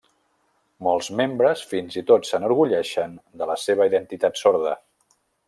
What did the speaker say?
Molts membres fins i tot s'enorgulleixen de la seva identitat sorda.